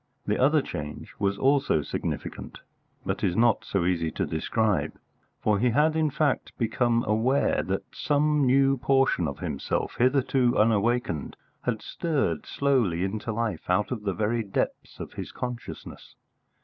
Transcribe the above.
The other change was also significant, but is not so easy to describe, for he had in fact become aware that some new portion of himself, hitherto unawakened, had stirred slowly into life out of the very depths of his consciousness.